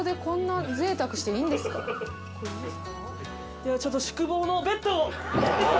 ではちょっと宿坊のベッドを。